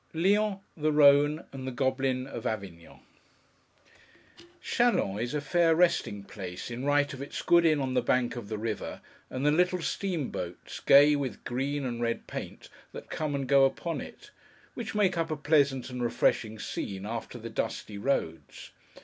LYONS, THE RHONE, AND THE GOBLIN OF AVIGNON CHALONS is a fair resting place, in right of its good inn on the bank of the river, and the little steamboats, gay with green and red paint, that come and go upon it: which make up a pleasant and refreshing scene, after the dusty roads.